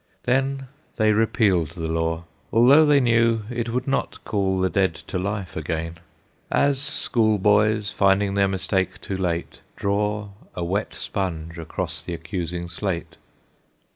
Then they repealed the law, although they knew It would not call the dead to life again; As school boys, finding their mistake too late, Draw a wet sponge across the accusing slate.